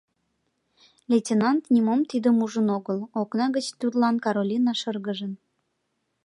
Лейтенант нимом тидым ужын огыл: окна гыч тудлан Каролина шыргыжын.